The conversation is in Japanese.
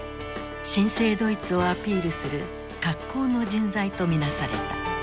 新生ドイツをアピールする格好の人材と見なされた。